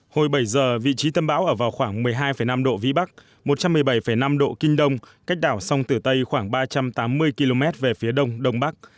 hồi bảy giờ vị trí tâm bão ở vào khoảng một mươi hai năm độ vĩ bắc một trăm một mươi bảy năm độ kinh đông cách đảo sông tử tây khoảng ba trăm tám mươi km về phía đông đông bắc